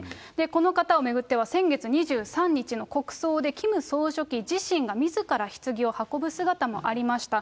この方を巡っては先月２３日の国葬で、キム総書記自身がみずからひつぎを運ぶ姿もありました。